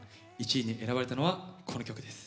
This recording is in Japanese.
１位に選ばれたのは、この曲です。